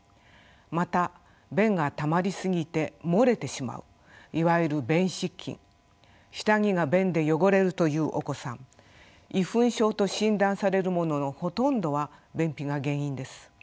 また便がたまり過ぎて漏れてしまういわゆる便失禁下着が便で汚れるというお子さん遺糞症と診断されるもののほとんどは便秘が原因です。